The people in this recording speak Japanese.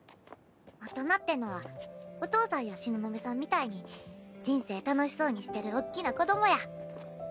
大人ってのはお父さんや東雲さんみたいに人生楽しそうにしてるおっきな子どもや。